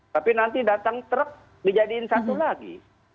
tapi nanti datang truk dijadiin satu lagi